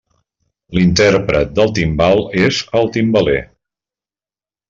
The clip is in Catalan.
L'intèrpret del timbal és el timbaler.